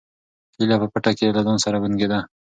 هیلې په پټه کې له ځان سره بونګېده.